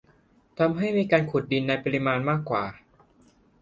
ทำให้มีการขุดดินในปริมาณมากกว่า